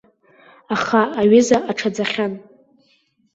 Аха аҩыза аҽаӡахьан.